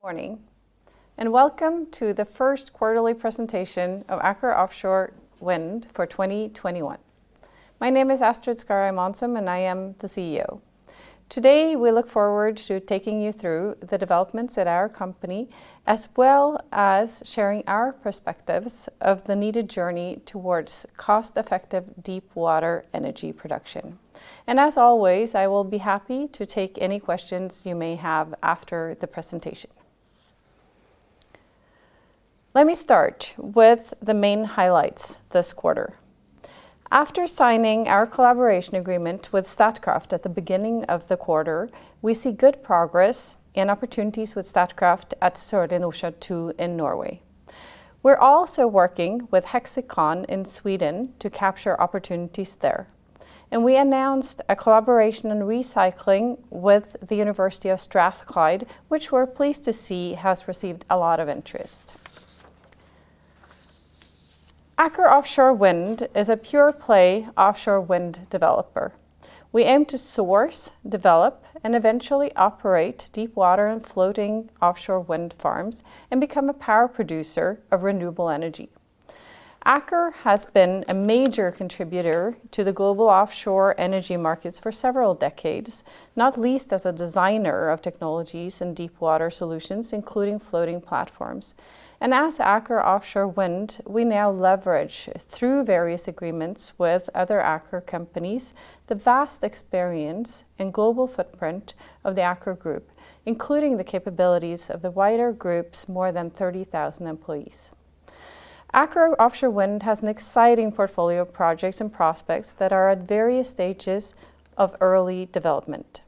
Morning, and welcome to the First Quarterly Presentation of Aker Offshore Wind for 2021. My name is Astrid Skarheim Onsum, and I am the CEO. Today, we look forward to taking you through the developments at our company, as well as sharing our perspectives of the needed journey towards cost-effective deepwater energy production. As always, I will be happy to take any questions you may have after the presentation. Let me start with the main highlights this quarter. After signing our collaboration agreement with Statkraft at the beginning of the quarter, we see good progress and opportunities with Statkraft at Sørlige Nordsjø II in Norway. We're also working with Hexicon in Sweden to capture opportunities there. We announced a collaboration in recycling with the University of Strathclyde, which we're pleased to see has received a lot of interest. Aker Offshore Wind is a pure-play offshore wind developer. We aim to source, develop, and eventually operate deepwater and floating offshore wind farms and become a power producer of renewable energy. Aker has been a major contributor to the global offshore energy markets for several decades, not least as a designer of technologies and deepwater solutions, including floating platforms. As Aker Offshore Wind, we now leverage, through various agreements with other Aker companies, the vast experience and global footprint of the Aker Group, including the capabilities of the wider Group's more than 30,000 employees. Aker Offshore Wind has an exciting portfolio of projects and prospects that are at various stages of early development.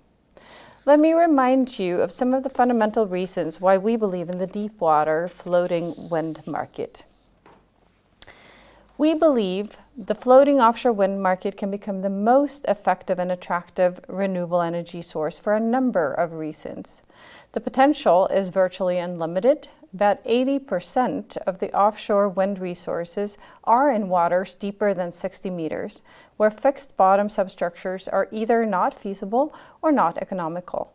Let me remind you of some of the fundamental reasons why we believe in the deepwater floating wind market. We believe the floating offshore wind market can become the most effective and attractive renewable energy source for a number of reasons. The potential is virtually unlimited, that 80% of the offshore wind resources are in waters deeper than 60 meters, where fixed bottom substructures are either not feasible or not economical.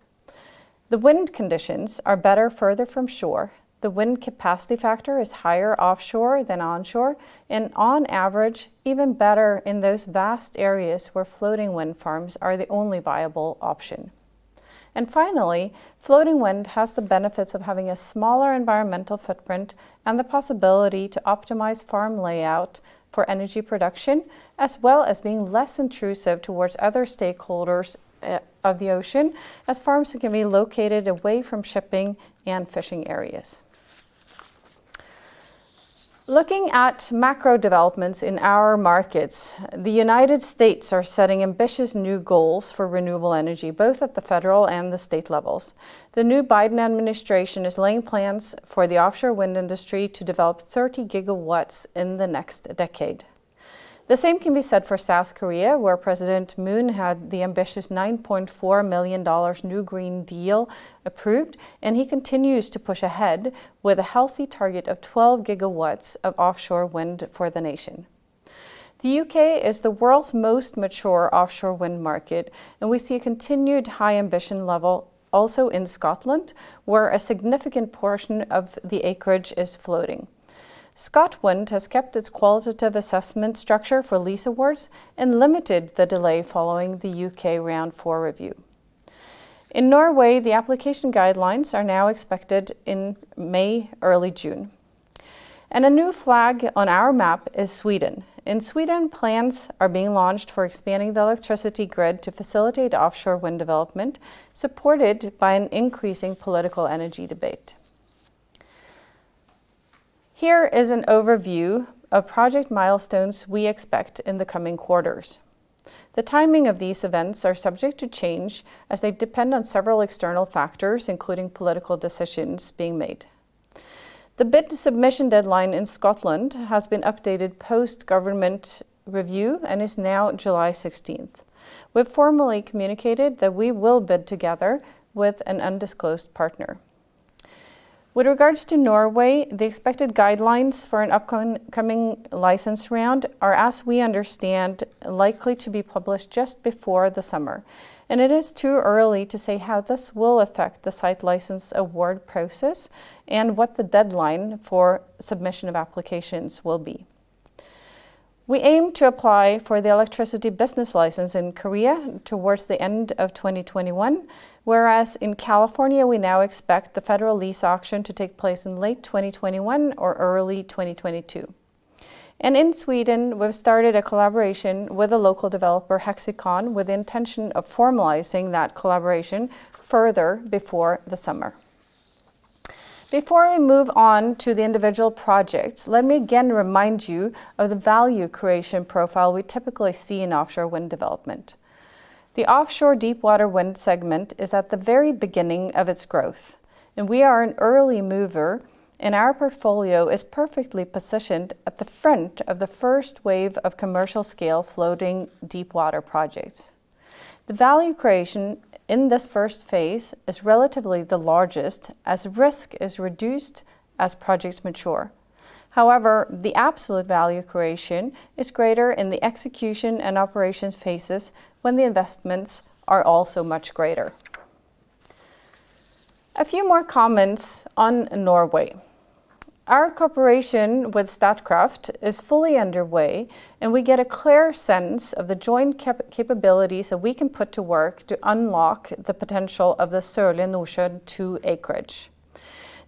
The wind conditions are better further from shore. The wind capacity factor is higher offshore than onshore, and on average, even better in those vast areas where floating wind farms are the only viable option. Finally, floating wind has the benefits of having a smaller environmental footprint and the possibility to optimize farm layout for energy production, as well as being less intrusive towards other stakeholders of the ocean, as farms can be located away from shipping and fishing areas. Looking at macro developments in our markets, the U.S. are setting ambitious new goals for renewable energy, both at the federal and the state levels. The new Biden administration is laying plans for the offshore wind industry to develop 30 GW in the next decade. The same can be said for South Korea, where President Moon had the ambitious $9.4 million new Green Deal approved. He continues to push ahead with a healthy target of 12 GW of offshore wind for the nation. The U.K. is the world's most mature offshore wind market. We see a continued high ambition level also in Scotland, where a significant portion of the acreage is floating. ScotWind has kept its qualitative assessment structure for lease awards and limited the delay following the U.K. Round 4 review. In Norway, the application guidelines are now expected in May, early June. A new flag on our map is Sweden. In Sweden, plans are being launched for expanding the electricity grid to facilitate offshore wind development, supported by an increasing political energy debate. Here is an overview of project milestones we expect in the coming quarters. The timing of these events are subject to change as they depend on several external factors, including political decisions being made. The bid submission deadline in Scotland has been updated post-government review and is now July 16th. We've formally communicated that we will bid together with an undisclosed partner. With regards to Norway, the expected guidelines for an upcoming license round are, as we understand, likely to be published just before the summer. It is too early to say how this will affect the site license award process and what the deadline for submission of applications will be. We aim to apply for the Electricity Business License in Korea towards the end of 2021, whereas in California, we now expect the federal lease auction to take place in late 2021 or early 2022. In Sweden, we've started a collaboration with a local developer, Hexicon with the intention of formalizing that collaboration further before the summer. Before I move on to the individual projects, let me again remind you of the value creation profile we typically see in offshore wind development. The offshore deepwater wind segment is at the very beginning of its growth, and we are an early mover, and our portfolio is perfectly positioned at the front of the first wave of commercial scale floating deepwater projects. The value creation in this first phase is relatively the largest as risk is reduced as projects mature. However, the absolute value creation is greater in the execution and operations phases when the investments are also much greater. A few more comments on Norway. Our cooperation with Statkraft is fully underway, and we get a clear sense of the joint capabilities that we can put to work to unlock the potential of the Sørlige Nordsjø II acreage.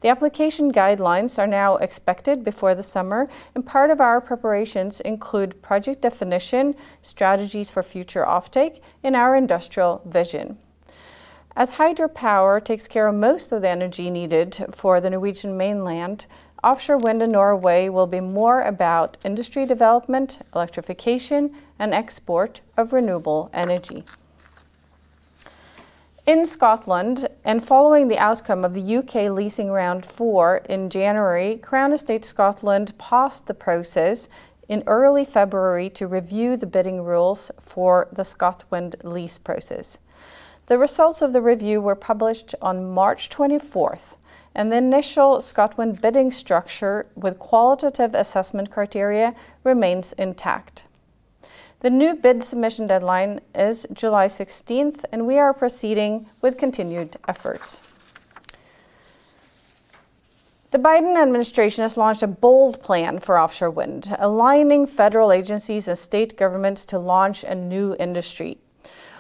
The application guidelines are now expected before the summer, and part of our preparations include project definition, strategies for future offtake, and our industrial vision. As hydropower takes care of most of the energy needed for the Norwegian mainland, offshore wind in Norway will be more about industry development, electrification, and export of renewable energy. In Scotland, following the outcome of the U.K. Leasing Round 4 in January, Crown Estate Scotland paused the process in early February to review the bidding rules for the ScotWind lease process. The results of the review were published on March 24th, the initial ScotWind bidding structure with qualitative assessment criteria remains intact. The new bid submission deadline is July 16th, we are proceeding with continued efforts. The Biden administration has launched a bold plan for offshore wind, aligning federal agencies and state governments to launch a new industry.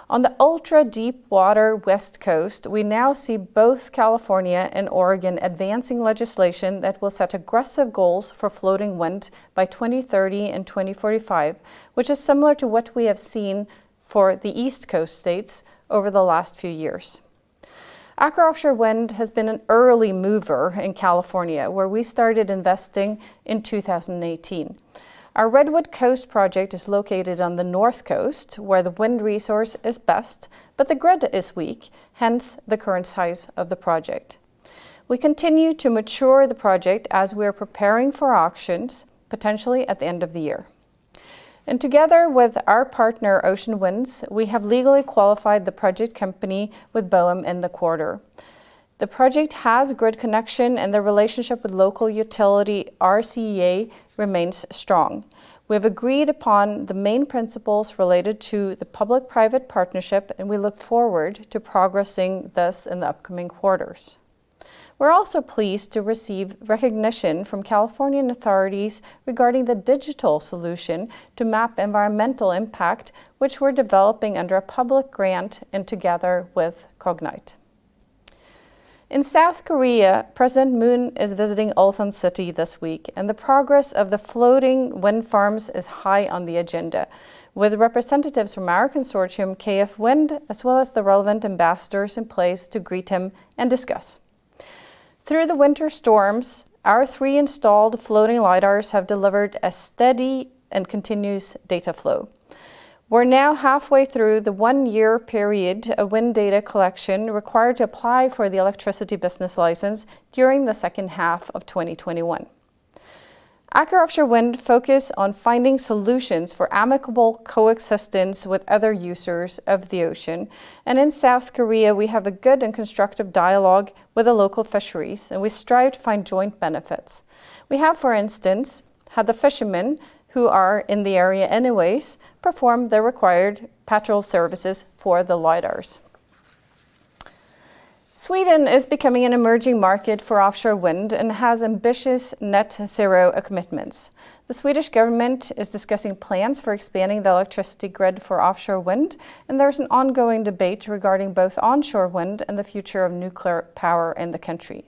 On the ultra-deep water West Coast, we now see both California and Oregon advancing legislation that will set aggressive goals for floating wind by 2030 and 2045, which is similar to what we have seen for the East Coast states over the last few years. Aker Offshore Wind has been an early mover in California, where we started investing in 2018. Our Redwood Coast project is located on the North Coast, where the wind resource is best, but the grid is weak, hence the current size of the project. We continue to mature the project as we are preparing for auctions, potentially at the end of the year. Together with our partner, Ocean Winds, we have legally qualified the project company with BOEM in the quarter. The project has grid connection, and the relationship with local utility RCEA remains strong. We have agreed upon the main principles related to the public-private partnership. We look forward to progressing this in the upcoming quarters. We're also pleased to receive recognition from Californian authorities regarding the digital solution to map environmental impact, which we're developing under a public grant and together with Cognite. In South Korea, President Moon is visiting Ulsan City this week, and the progress of the floating wind farms is high on the agenda, with representatives from our consortium, KF Wind, as well as the relevant ambassadors in place to greet him and discuss. Through the winter storms, our three installed floating LiDARs have delivered a steady and continuous data flow. We're now halfway through the one-year period of wind data collection required to apply for the Electricity Business License during the second half of 2021. Aker Offshore Wind focus on finding solutions for amicable coexistence with other users of the ocean, and in South Korea, we have a good and constructive dialogue with the local fisheries, and we strive to find joint benefits. We have, for instance, had the fishermen, who are in the area anyways, perform the required patrol services for the LiDARs. Sweden is becoming an emerging market for offshore wind and has ambitious net-zero commitments. The Swedish government is discussing plans for expanding the electricity grid for offshore wind, and there's an ongoing debate regarding both onshore wind and the future of nuclear power in the country.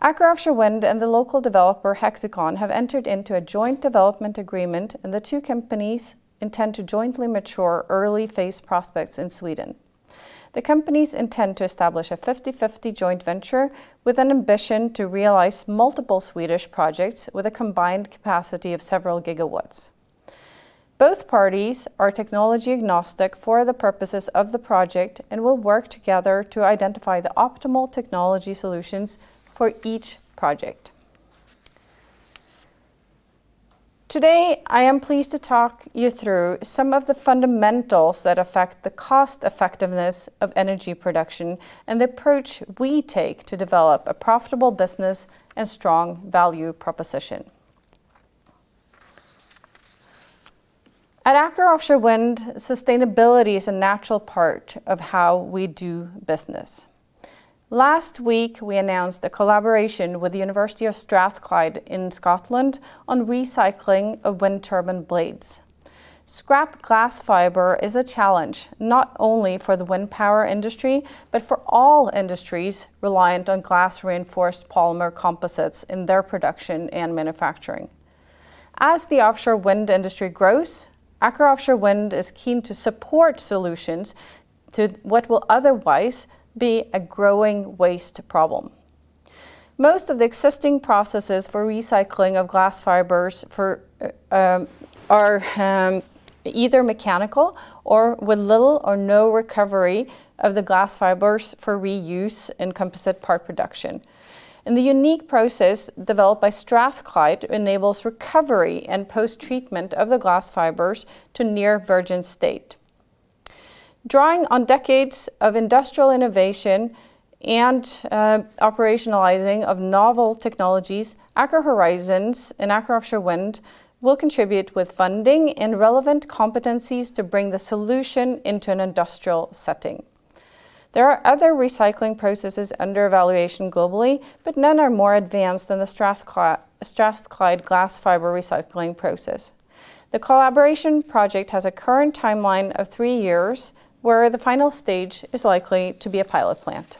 Aker Offshore Wind and the local developer, Hexicon, have entered into a joint development agreement, and the two companies intend to jointly mature early-phase prospects in Sweden. The companies intend to establish a 50/50 joint venture with an ambition to realize multiple Swedish projects with a combined capacity of several gigawatts. Both parties are technology agnostic for the purposes of the project and will work together to identify the optimal technology solutions for each project. Today, I am pleased to talk you through some of the fundamentals that affect the cost-effectiveness of energy production and the approach we take to develop a profitable business and strong value proposition. At Aker Offshore Wind, sustainability is a natural part of how we do business. Last week, we announced a collaboration with the University of Strathclyde in Scotland on recycling of wind turbine blades. Scrap glass fiber is a challenge, not only for the wind power industry, but for all industries reliant on glass-reinforced polymer composites in their production and manufacturing. As the offshore wind industry grows, Aker Offshore Wind is keen to support solutions to what will otherwise be a growing waste problem. Most of the existing processes for recycling of glass fibers are either mechanical or with little or no recovery of the glass fibers for reuse in composite part production. The unique process developed by Strathclyde enables recovery and post-treatment of the glass fibers to near-virgin state. Drawing on decades of industrial innovation and operationalizing of novel technologies, Aker Horizons and Aker Offshore Wind will contribute with funding and relevant competencies to bring the solution into an industrial setting. There are other recycling processes under evaluation globally, but none are more advanced than the Strathclyde glass fiber recycling process. The collaboration project has a current timeline of three years, where the final stage is likely to be a pilot plant.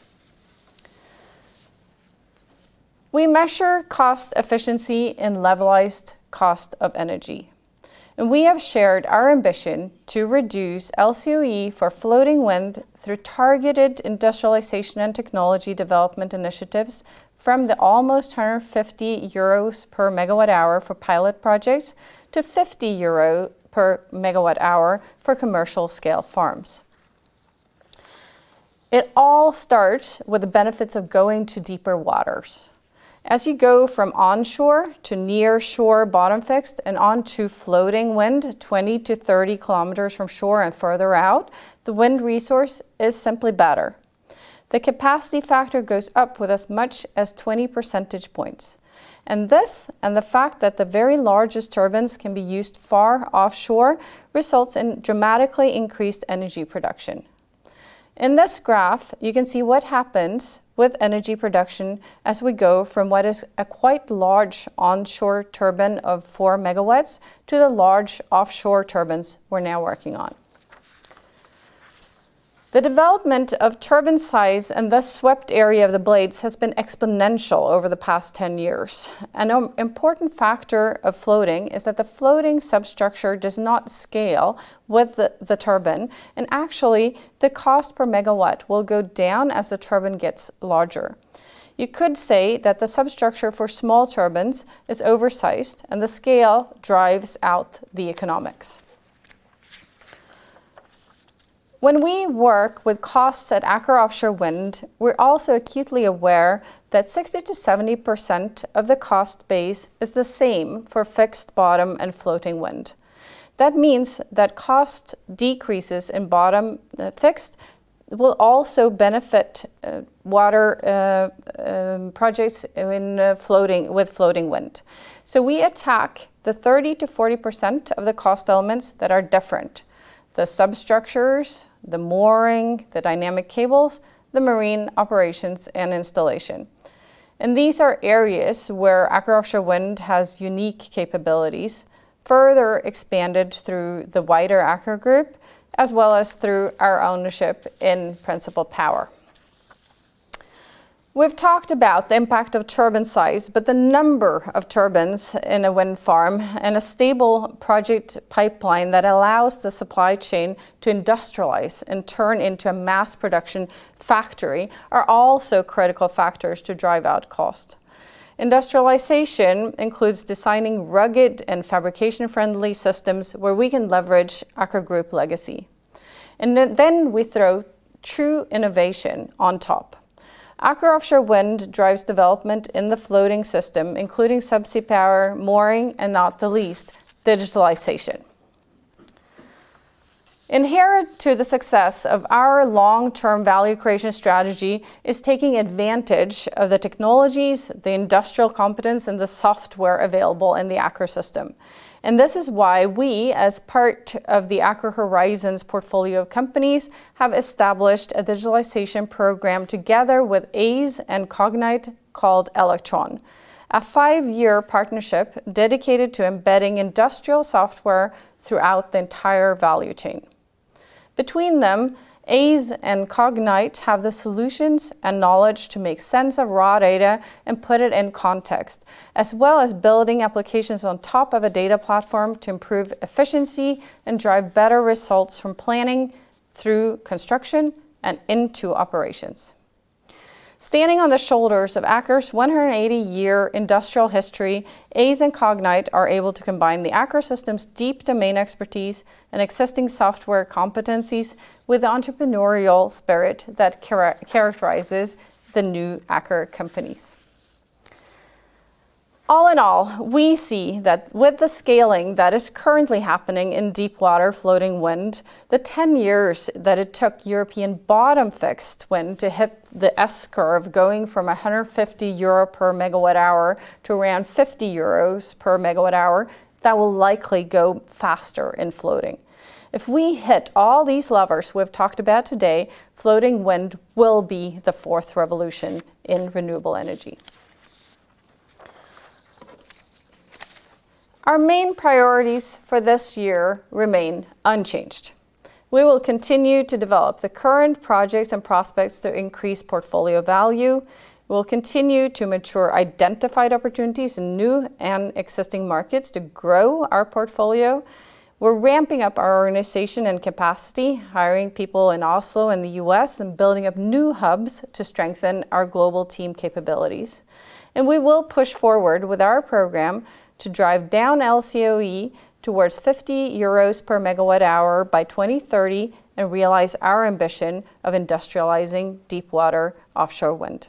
We measure cost efficiency in levelized cost of energy. We have shared our ambition to reduce LCOE for floating wind through targeted industrialization and technology development initiatives from the almost 150 euros per MW hour for pilot projects to 50 euro per MW hour for commercial scale farms. It all starts with the benefits of going to deeper waters. As you go from onshore to near-shore bottom-fixed and on to floating wind 20-30 km from shore and further out, the wind resource is simply better. The capacity factor goes up with as much as 20 percentage points. This, and the fact that the very largest turbines can be used far offshore, results in dramatically increased energy production. In this graph, you can see what happens with energy production as we go from what is a quite large onshore turbine of 4 MW to the large offshore turbines we're now working on. The development of turbine size and the swept area of the blades has been exponential over the past 10 years. An important factor of floating is that the floating substructure does not scale with the turbine, and actually, the cost per megawatt will go down as the turbine gets larger. You could say that the substructure for small turbines is oversized, and the scale drives out the economics. When we work with costs at Aker Offshore Wind, we're also acutely aware that 60%-70% of the cost base is the same for fixed-bottom and floating wind. That means that cost decreases in bottom-fixed will also benefit water projects with floating wind. We attack the 30%-40% of the cost elements that are different: the substructures, the mooring, the dynamic cables, the marine operations, and installation. These are areas where Aker Offshore Wind has unique capabilities, further expanded through the wider Aker group, as well as through our ownership in Principle Power. We've talked about the impact of turbine size, the number of turbines in a wind farm and a stable project pipeline that allows the supply chain to industrialize and turn into a mass production factory are also critical factors to drive out cost. Industrialization includes designing rugged and fabrication-friendly systems where we can leverage Aker Group legacy, then we throw true innovation on top. Aker Offshore Wind drives development in the floating system, including subsea power, mooring, and not the least, digitalization. Inherent to the success of our long-term value creation strategy is taking advantage of the technologies, the industrial competence, and the software available in the Aker System. This is why we, as part of the Aker Horizons portfolio of companies, have established a digitalization program together with Aize and Cognite called Electron, a five-year partnership dedicated to embedding industrial software throughout the entire value chain. Between them, Aize and Cognite have the solutions and knowledge to make sense of raw data and put it in context, as well as building applications on top of a data platform to improve efficiency and drive better results from planning through construction and into operations. Standing on the shoulders of Aker's 180-year industrial history, Aize and Cognite are able to combine the Aker system's deep domain expertise and existing software competencies with the entrepreneurial spirit that characterizes the new Aker companies. All in all, we see that with the scaling that is currently happening in deep-water floating wind, the 10 years that it took European bottom-fixed wind to hit the S curve, going from 150 euro per MWh to around 50 euros per MWh, that will likely go faster in floating. If we hit all these levers we've talked about today, floating wind will be the fourth revolution in renewable energy. Our main priorities for this year remain unchanged. We will continue to develop the current projects and prospects to increase portfolio value. We'll continue to mature identified opportunities in new and existing markets to grow our portfolio. We're ramping up our organization and capacity, hiring people in Oslo and the U.S., and building up new hubs to strengthen our global team capabilities. We will push forward with our program to drive down LCOE towards 50 euros per MW hour by 2030 and realize our ambition of industrializing deep-water offshore wind.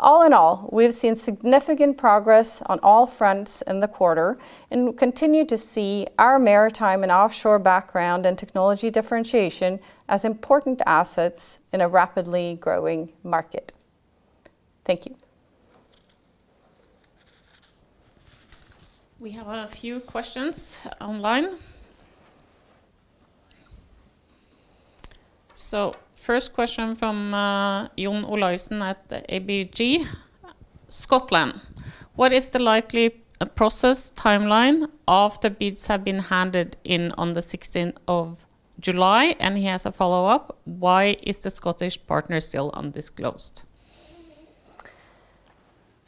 All in all, we have seen significant progress on all fronts in the quarter and continue to see our maritime and offshore background and technology differentiation as important assets in a rapidly growing market. Thank you. We have a few questions online. First question from John Olaisen at ABG. Scotland, what is the likely process timeline after bids have been handed in on the 16th of July? He has a follow-up. Why is the Scottish partner still undisclosed?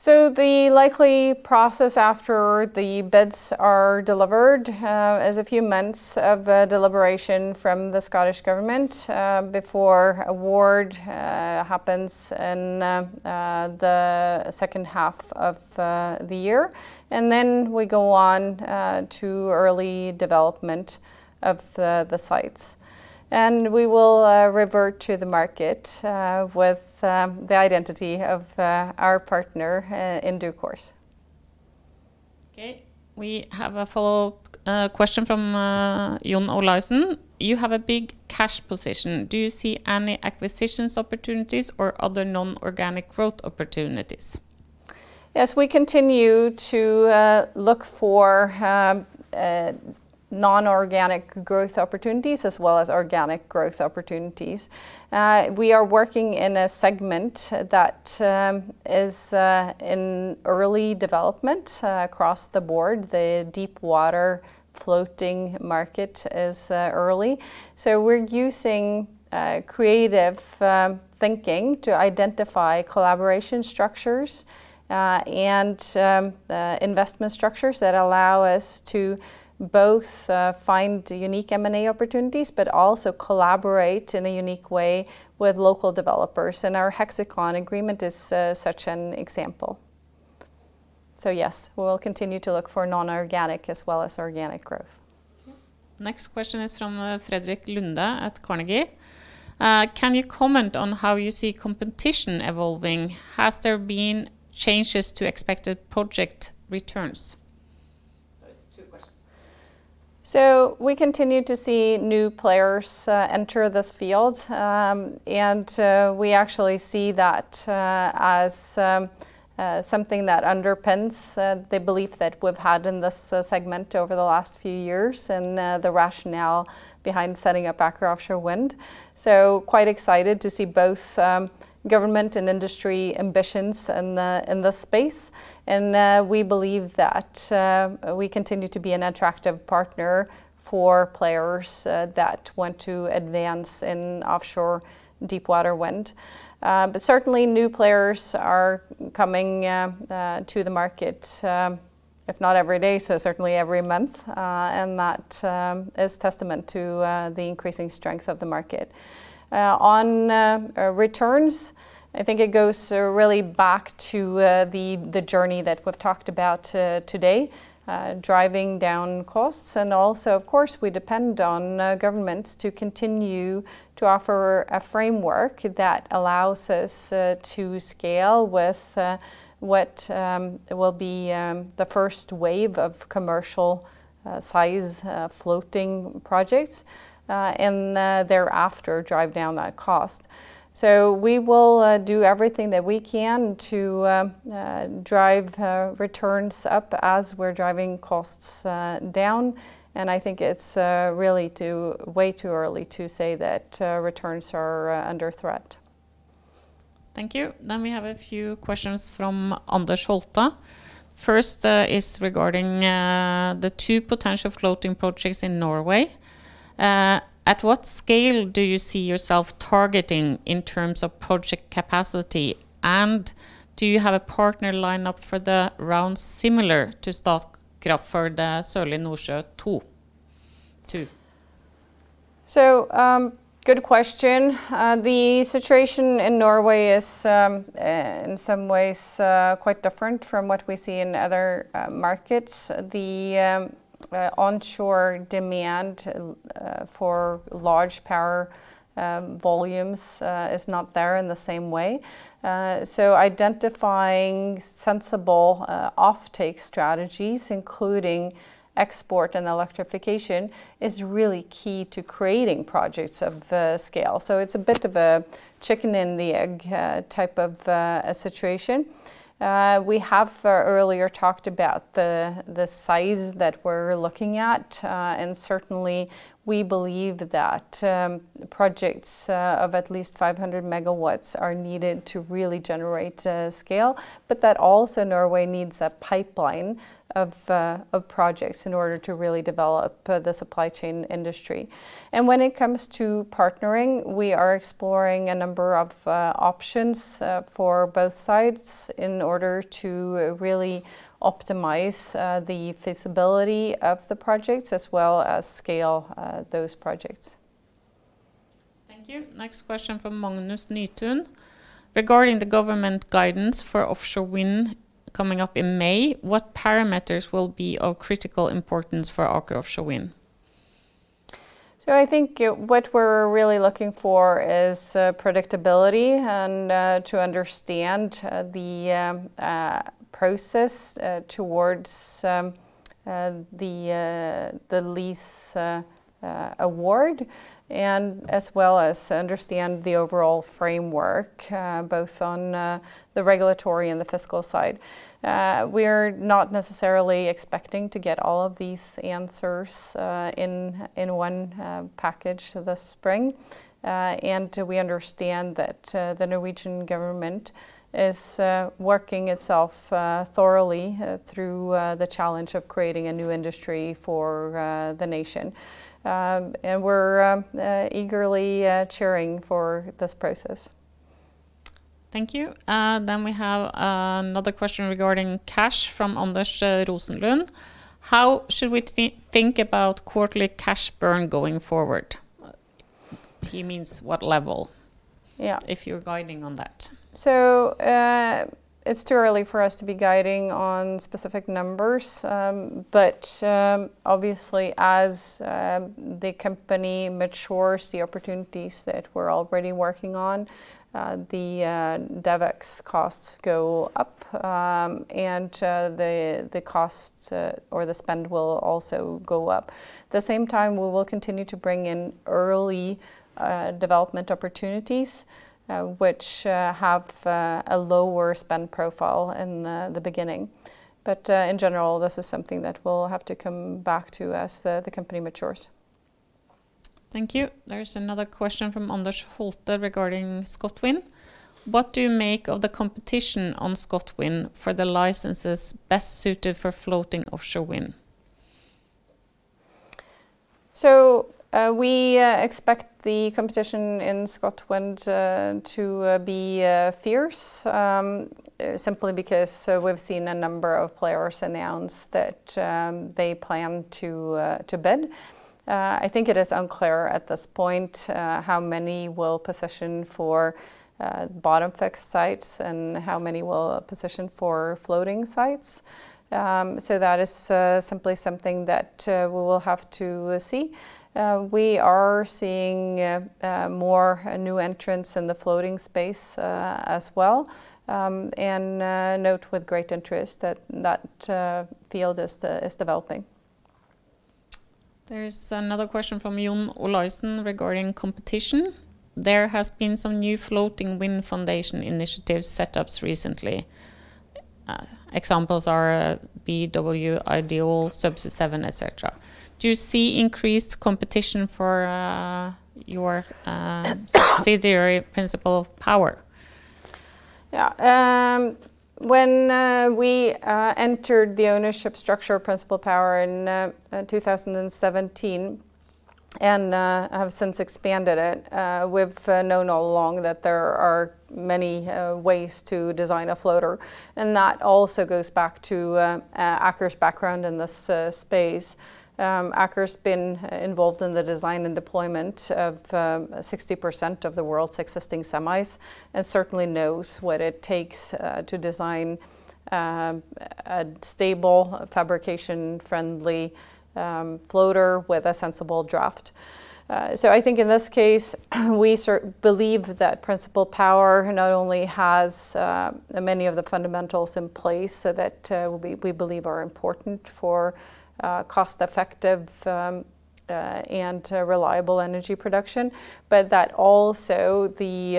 The likely process after the bids are delivered is a few months of deliberation from the Scottish Government before award happens in the second half of the year. Then we go on to early development of the sites. We will revert to the market with the identity of our partner in due course. Okay, we have a follow-up question from John Olaisen. You have a big cash position. Do you see any acquisitions opportunities or other non-organic growth opportunities? We continue to look for non-organic growth opportunities as well as organic growth opportunities. We are working in a segment that is in early development across the board. The deep water floating market is early. We're using creative thinking to identify collaboration structures and investment structures that allow us to both find unique M&A opportunities, but also collaborate in a unique way with local developers. Our Hexicon agreement is such an example. Yes, we will continue to look for non-organic as well as organic growth. Next question is from Frederik Lunde at Carnegie. Can you comment on how you see competition evolving? Has there been changes to expected project returns? It's two questions. We continue to see new players enter this field, and we actually see that as something that underpins the belief that we've had in this segment over the last few years and the rationale behind setting up Aker Offshore Wind. Quite excited to see both government and industry ambitions in this space. We believe that we continue to be an attractive partner for players that want to advance in offshore deep water wind. Certainly, new players are coming to the market, if not every day, so certainly every month. That is testament to the increasing strength of the market. On returns, I think it goes really back to the journey that we've talked about today, driving down costs, and also, of course, we depend on governments to continue to offer a framework that allows us to scale with what will be the first wave of commercial size floating projects, and thereafter drive down that cost. We will do everything that we can to drive returns up as we're driving costs down, and I think it's really way too early to say that returns are under threat. Thank you. We have a few questions from Anders Holte. First is regarding the two potential floating projects in Norway. At what scale do you see yourself targeting in terms of project capacity? Do you have a partner lined up for the round similar to Statkraft for the Sørlige Nordsjø II? Good question. The situation in Norway is in some ways quite different from what we see in other markets. The onshore demand for large power volumes is not there in the same way. Identifying sensible offtake strategies, including export and electrification, is really key to creating projects of scale. It's a bit of a chicken and the egg type of situation. We have earlier talked about the size that we're looking at. Certainly, we believe that projects of at least 500 MW are needed to really generate scale, but that also Norway needs a pipeline of projects in order to really develop the supply chain industry. When it comes to partnering, we are exploring a number of options for both sides in order to really optimize the feasibility of the projects as well as scale those projects. Thank you. Next question from Magnus Nytun. Regarding the government guidance for offshore wind coming up in May, what parameters will be of critical importance for Aker Offshore Wind? I think what we're really looking for is predictability and to understand the process towards the lease award, as well as to understand the overall framework, both on the regulatory and the fiscal side. We're not necessarily expecting to get all of these answers in one package this spring. We understand that the Norwegian government is working itself thoroughly through the challenge of creating a new industry for the nation. We're eagerly cheering for this process. Thank you. We have another question regarding cash from Anders Rosenlund. How should we think about quarterly cash burn going forward? He means what level? Yeah. If you're guiding on that? It's too early for us to be guiding on specific numbers. Obviously as the company matures, the opportunities that we're already working on, the DevEx costs go up, and the costs or the spend will also go up. At the same time, we will continue to bring in early development opportunities which have a lower spend profile in the beginning. In general, this is something that we'll have to come back to as the company matures. Thank you. There's another question from Anders Holte regarding ScotWind. What do you make of the competition on ScotWind for the licenses best suited for floating offshore wind? We expect the competition in ScotWind to be fierce, simply because we've seen a number of players announce that they plan to bid. I think it is unclear at this point how many will position for bottom-fixed sites and how many will position for floating sites. That is simply something that we will have to see. We are seeing more new entrants in the floating space as well, and note with great interest that that field is developing. There is another question from John Olaisen regarding competition. There has been some new floating wind foundation initiative setups recently. Examples are BW Ideol, Subsea 7, et cetera. Do you see increased competition for your subsidiary Principle Power? When we entered the ownership structure of Principle Power in 2017, and have since expanded it, we've known all along that there are many ways to design a floater. That also goes back to Aker's background in this space. Aker's been involved in the design and deployment of 60% of the world's existing semis, and certainly knows what it takes to design a stable, fabrication-friendly floater with a sensible draft. I think in this case we believe that Principle Power not only has many of the fundamentals in place that we believe are important for cost-effective and reliable energy production, but that also the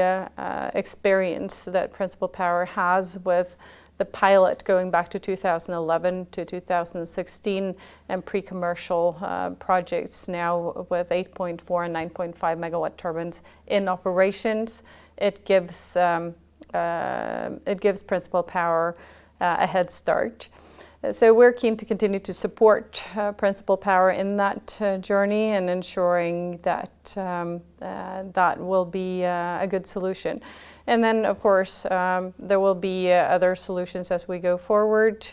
experience that Principle Power has with the pilot going back to 2011 to 2016 and pre-commercial projects now with 8.4 MW and 9.5 MW turbines in operations, it gives Principle Power a headstart. We're keen to continue to support Principle Power in that journey and ensuring that that will be a good solution. Of course, there will be other solutions as we go forward.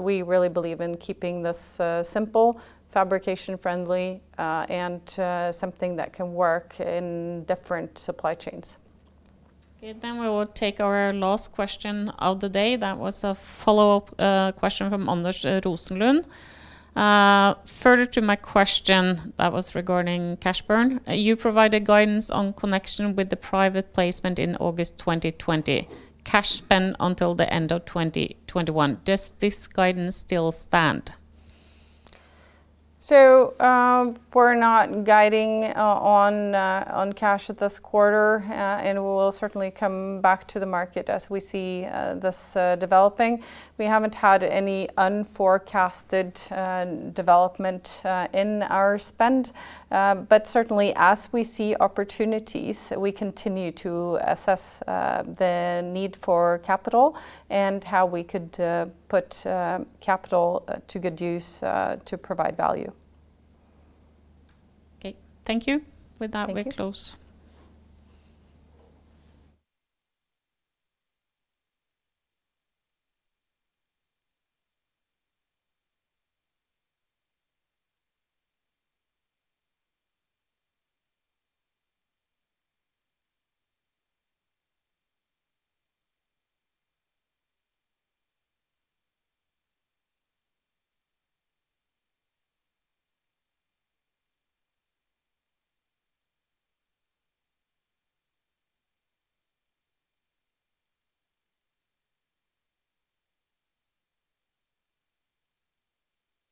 We really believe in keeping this simple, fabrication-friendly, and something that can work in different supply chains. Okay, we will take our last question of the day. That was a follow-up question from Anders Rosenlund. Further to my question that was regarding cash burn, you provided guidance on connection with the private placement in August 2020, cash burn until the end of 2021. Does this guidance still stand? We're not guiding on cash at this quarter. We will certainly come back to the market as we see this developing. We haven't had any unforecasted development in our spend. Certainly, as we see opportunities, we continue to assess the need for capital and how we could put capital to good use to provide value. Okay. Thank you. With that, we close.